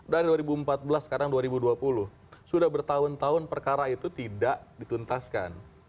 dari dua ribu empat belas sekarang dua ribu dua puluh sudah bertahun tahun perkara itu tidak dituntaskan